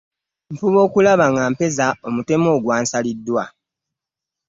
Nfuba okulaba nga mpeza omutemwa ogwansaliddwa .